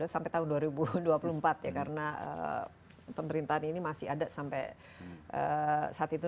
sampai tahun dua ribu dua puluh empat ya karena pemerintahan ini masih ada sampai saat itu